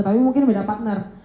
tapi mungkin beda partner